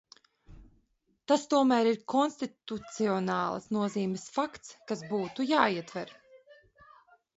Tas tomēr ir konstitucionālas nozīmes fakts, kas būtu jāietver.